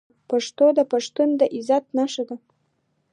پښتو د پښتون د عزت نښه ده.